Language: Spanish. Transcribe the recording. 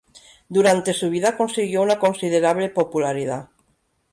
Durante su vida consiguió una considerable popularidad.